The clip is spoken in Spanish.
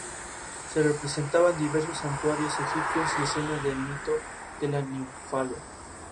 Se representaban diversos santuarios egipcios y escenas del mito de la ninfa Ío.